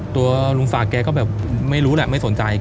ตัวลุงศักดิ์แกก็แบบไม่รู้แหละไม่สนใจ